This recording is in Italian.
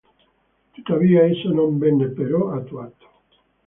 Tuttavia esso non venne però attuato.